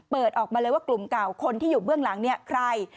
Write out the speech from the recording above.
ออกมาเลยว่ากลุ่มเก่าคนที่อยู่เบื้องหลังเนี่ยใคร